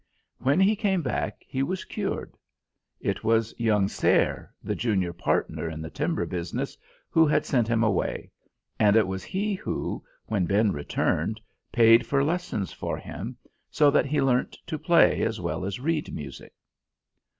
When he came back he was cured. It was young Saere, the junior partner in the timber business, who had sent him away; and it was he who, when Ben returned, paid for lessons for him, so that he learnt to play as well as read music.